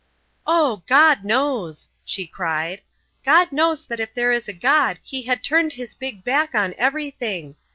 "Oh, God knows!" she cried. "God knows that if there is a God He has turned His big back on everything.